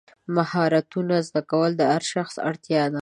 مهارتونه زده کول د هر شخص اړتیا ده.